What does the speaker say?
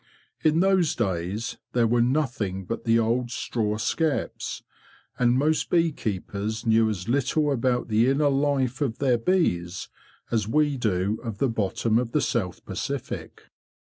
In those days there were nothing but the old straw skeps, and most bee keepers knew as little about the inner life of their bees as we do of the bottom of the South Pacific.